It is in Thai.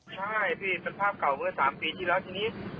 ใช่พี่เป็นภาพเก่าเมื่อ๓ปีที่แล้วทีนี้